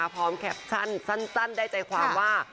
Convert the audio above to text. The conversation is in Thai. พร้อมแคปชั่นซั้นได้ใจความว่า